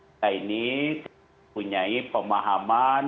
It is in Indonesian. kita ini punya pemahaman